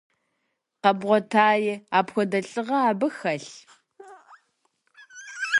Къэбгъуэтаи, апхуэдэ лӀыгъэ абы хэлъ?